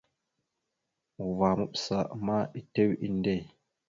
Uvah maɓəsa ma etew inde.